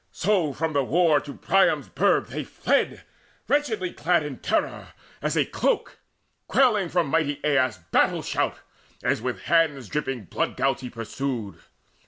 So from the war to Priam's burg they fled Wretchedly clad with terror as a cloak, Quailing from mighty Aias' battle shout, As with hands dripping blood gouts he pursued.